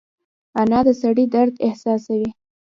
انا د سړي درد احساسوي